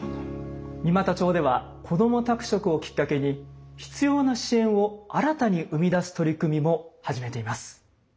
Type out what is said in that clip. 三股町ではこども宅食をきっかけに必要な支援を新たに生み出す取り組みも始めています。